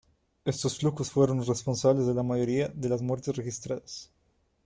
Estos flujos fueron los responsables de la mayoría de las muertes registradas.